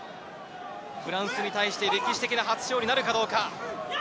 フランスに対して歴史的な初勝利なるかどうか。